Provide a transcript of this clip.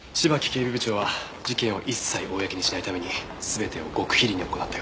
警備部長は事件を一切公にしないために全てを極秘裏に行ったようです。